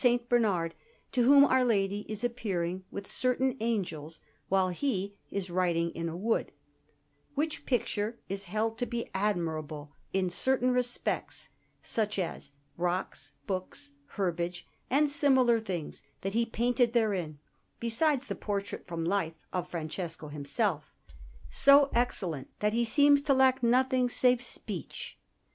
Bernard, to whom Our Lady is appearing with certain angels, while he is writing in a wood; which picture is held to be admirable in certain respects, such as rocks, books, herbage, and similar things, that he painted therein, besides the portrait from life of Francesco himself, so excellent that he seems to lack nothing save speech.